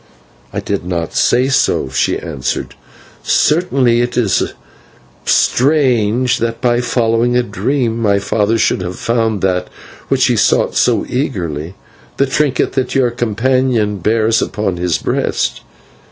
"I did not say so," she answered. "Certainly it is strange that by following a dream my father should have found that which he sought so eagerly, the trinket that your companion bears upon his breast.